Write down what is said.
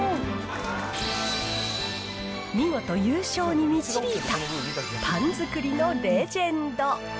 見事優勝に導いたパン作りのレジェンド。